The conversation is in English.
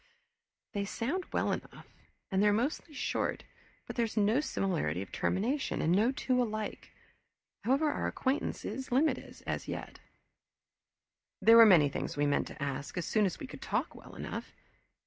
"They sound well enough, and they're mostly short, but there's no similarity of termination and no two alike. However, our acquaintance is limited as yet." There were many things we meant to ask as soon as we could talk well enough.